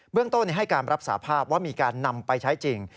เรื่องต้นให้การรับสาภาพว่ามีการนำไปใช้จริง